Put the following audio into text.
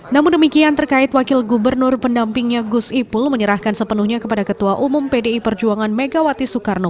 namun demikian terkait wakil gubernur pendampingnya gus ipul menyerahkan sepenuhnya kepada ketua umum pdi perjuangan megawati soekarno